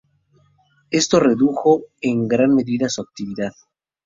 Esto redujo en gran medida su actividad.